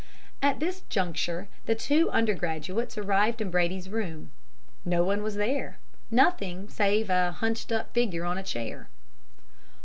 "At this juncture the two undergraduates arrived in Brady's room. No one was there nothing save a hunched up figure on a chair.